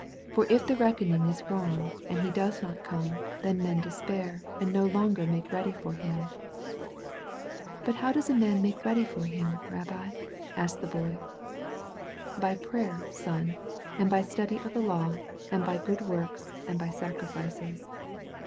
For if the reckoning is wrong, and He does not come, then men despair, and no longer tiake ready for Him/^ '^How does a man make ready for Him, Rabbi ?^* asked the Boy. ''By prayer, son, and by study of the law, and by good works, and by sacrifices.'